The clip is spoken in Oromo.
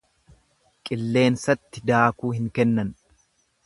Qilleensatti daakuu hin kennan.